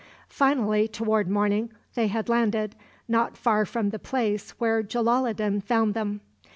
Finally, toward morning, they had landed, not far from the place where Jalaloddin found them.